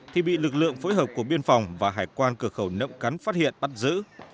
thì bị lực lượng phối hợp của biên phòng và hải quan cửa khẩu nậm cắn phát hiện bắt giữ